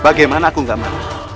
bagaimana aku tidak aman